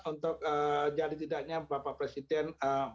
untuk jadi tidaknya bapak presiden